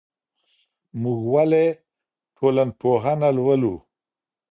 موږ ولي ټولنپوهنه لولو؟